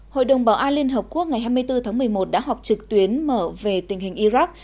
hội đồng bảo an liên hợp quốc ngày hai mươi bốn tháng một mươi một đã họp trực tuyến mở về tình hình iraq